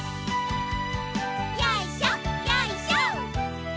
よいしょよいしょ。